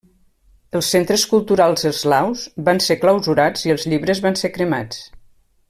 Els centres culturals eslaus van ser clausurats i els llibres van ser cremats.